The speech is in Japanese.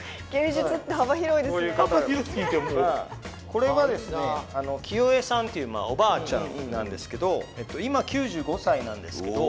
これはですねきよゑさんっていうおばあちゃんなんですけど今９５歳なんですけど。